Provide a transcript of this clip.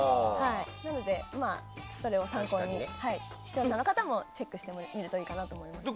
なので、それを参考に視聴者の方もチェックしてみるといいと思います。